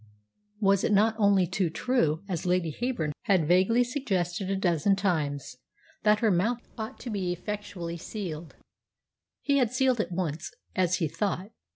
Was it not only too true, as Lady Heyburn had vaguely suggested a dozen times, that her mouth ought to be effectually sealed? He had sealed it once, as he thought.